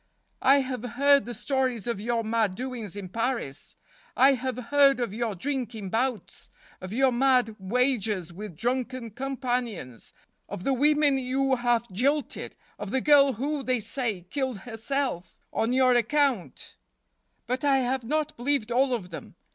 I have heard the stories of your mad doings in Paris. I have heard of your drinking bouts, of your mad wagers with drunken companions, of the women you have jilted, of the girl who, they say, killed herself [ 36 ] on your account. But I have not believed all of them.